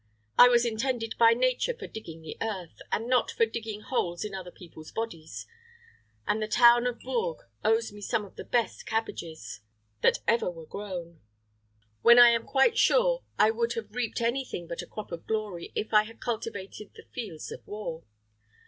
I was intended by nature for digging the earth, and not for digging holes in other people's bodies; and the town of Bourges owes me some of the best cabbages that ever were grown, when I am quite sure I should have reaped any thing but a crop of glory if I had cultivated the fields of war.